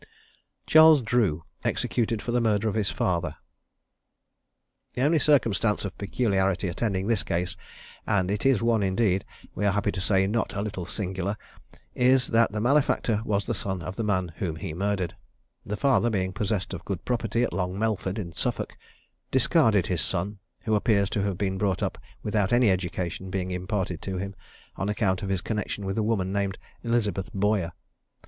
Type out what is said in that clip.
CHARLES DREW. EXECUTED FOR THE MURDER OF HIS FATHER. The only circumstance of peculiarity attending this case, and it is one indeed, we are happy to say, not a little singular, is that the malefactor was the son of the man whom he murdered. The father being possessed of good property at Long Melford in Suffolk, discarded his son, who appears to have been brought up without any education being imparted to him, on account of his connexion with a woman named Elizabeth Boyer.